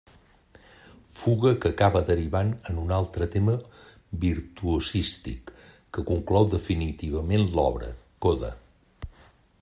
Fuga que acaba derivant en un altre tema virtuosístic que conclou definitivament l'obra: coda.